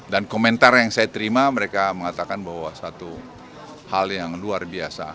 dan komentar yang saya terima mereka mengatakan bahwa satu hal yang luar biasa